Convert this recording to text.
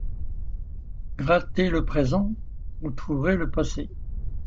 Grattez le présent, vous trouvez le passé.